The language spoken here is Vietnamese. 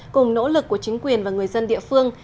cùng nỗ lực của chính quyền và người dân địa phương